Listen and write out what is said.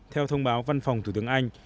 theo thông báo văn phòng thủ tướng anh